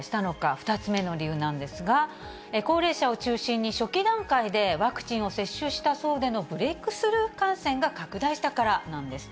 ２つ目の理由なんですが、高齢者を中心に、初期段階でワクチンを接種した層でのブレイクスルー感染が拡大したからなんです。